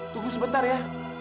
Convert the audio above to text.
tunggu sebentar ya